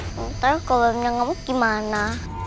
nanti kalau belum nyangkut gimana